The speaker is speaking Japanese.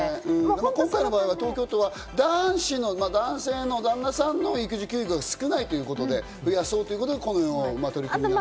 今回の場合、東京都は男性、旦那さんの育児休業が少ないということで、増やそうということでこのような取り組み。